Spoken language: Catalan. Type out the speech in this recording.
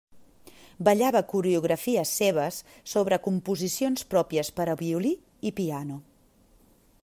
Ballava coreografies seves sobre composicions pròpies per a violí i piano.